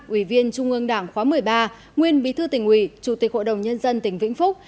ủy viên trung ương đảng khóa một mươi ba nguyên bí thư tỉnh ủy chủ tịch hội đồng nhân dân tỉnh vĩnh phúc